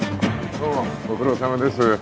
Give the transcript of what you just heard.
どうもご苦労さまです